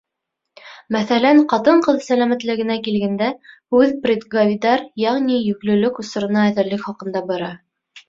Мәҫәлән, ҡатын-ҡыҙ сәләмәтлегенә килгәндә, һүҙ предгравидар, йәғни йөклөлөк осорона әҙерлек хаҡында бара.